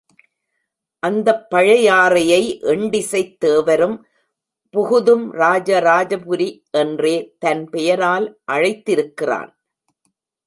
அந்தப் பழையாறையை எண்டிசைத் தேவரும் புகுதும் ராஜராஜபுரி என்றே தன் பெயரால் அழைத்திருக்கிறான்.